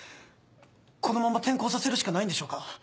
このまま転校させるしかないんでしょうか？